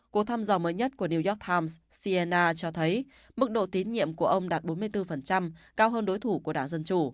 cuộc thăm dò mới nhất của new york times cenna cho thấy mức độ tín nhiệm của ông đạt bốn mươi bốn cao hơn đối thủ của đảng dân chủ